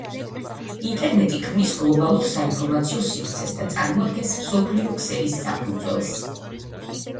ინტერნეტი ქმნის გლობალურ საინფორმაციო სივრცეს და წარმოადგენს მსოფლიო ქსელის საფუძველს.